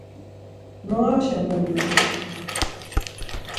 Noğaşe mebulur.